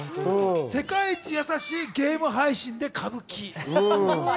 世界一やさしいゲーム配信で歌舞伎。